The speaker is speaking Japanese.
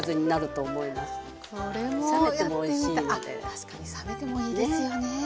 確かに冷めてもいいですよね。